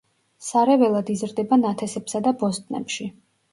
სარეველად იზრდება ნათესებსა და ბოსტნებში.